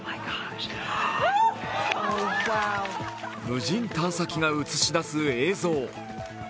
無人探査機が映し出す映像。